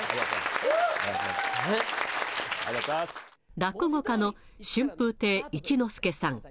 落語家の春風亭一之輔さん。